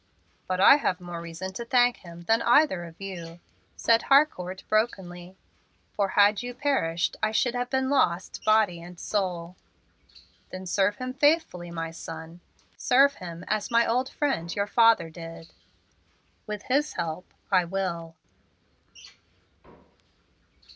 "But I have more reason to thank Him than either of you," said Harcourt, brokenly, "for had you perished I should have been lost, body and soul." "Then serve Him faithfully, my son, serve Him as my old friend your father did." "With His help I will."